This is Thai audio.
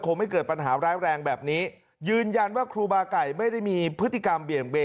ไม่เกิดปัญหาร้ายแรงแบบนี้ยืนยันว่าครูบาไก่ไม่ได้มีพฤติกรรมเบี่ยงเบน